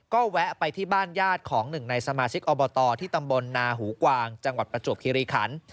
ก็แวะไปที่บ้านญาติของหนึ่งในสมาชิกอบตที่ตำบลนาหูกวางจังหวัดประจวบคิริขัน